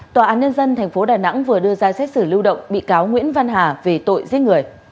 tòa án nhân dân tp đà nẵng vừa đưa ra xét xử lưu động bị cáo nguyễn văn hà về tội giết người